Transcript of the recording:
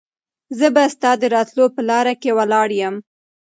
زه به ستا د راتلو په لاره کې ولاړ یم.